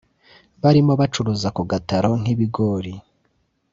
barimo bacuruza ku gataro nk’ibigori